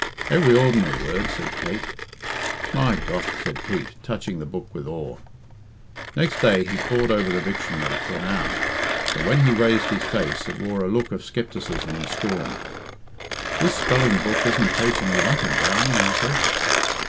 "Every ordinary word," said Kate. "My gough!" said Pete, touching the book with awe. Next day he pored over the dictionary for an hour, but when he raised his face it wore a look of scepticism and scorn. "This spelling book isn't taiching you nothing, darling," he said.